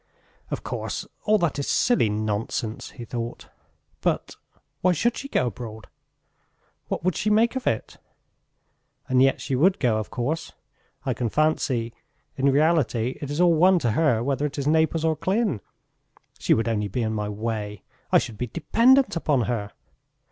"Of course, all that is silly nonsense," he thought; "but... why should she go abroad? What would she make of it? And yet she would go, of course.... I can fancy... In reality it is all one to her, whether it is Naples or Klin. She would only be in my way. I should be dependent upon her.